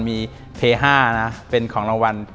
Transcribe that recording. มีเพ๕นะเป็นของรางวัล